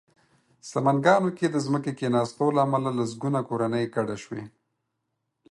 سمنګانو کې د ځمکې کېناستو له امله لسګونه کورنۍ کډه شوې